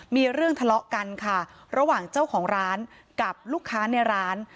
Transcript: มีเรื่องทะเลาะกันค่ะระหว่างเจ้าของร้านกับลูกค้าในร้าน